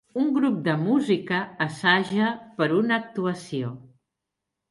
Un grup de música assaja per una actuació.